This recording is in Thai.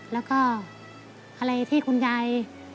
แล้วก็อะไรที่คุณยาย